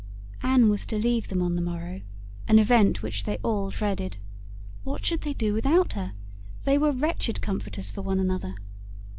Anne was to leave them on the morrow, an event which they all dreaded. "What should they do without her? They were wretched comforters for one another."